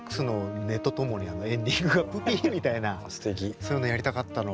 そういうのやりたかったの。